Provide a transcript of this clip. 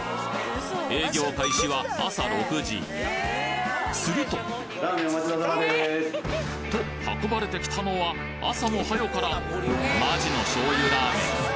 営業開始は朝６時すると！と運ばれてきたのは朝もはよからマジの醤油ラーメン